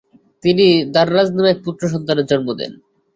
তিনি দাররাজ নামে এক পুত্র সন্তানের জন্ম দেন।